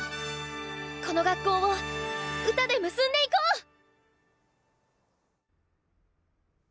この学校を歌で結んでいこう！